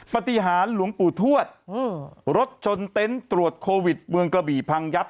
ปฏิหารหลวงปู่ทวดรถชนเต็นต์ตรวจโควิดเมืองกระบี่พังยับ